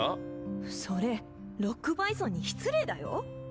それロックバイソンに失礼だよ。